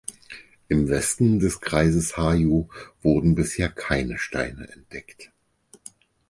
Im Westen des Kreises Harju wurden bisher keine Steine entdeckt.